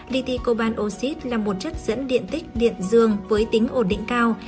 li ti cobalt oxid là một chất dẫn điện tích điện dương với tính ổn định cao